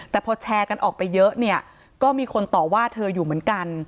แต่พอแชร์กันออกไปเยอะเนี่ยก็มีคนต่อว่าเธออยู่เหมือนกัน